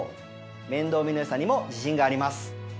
面倒見の良さにも自信があります。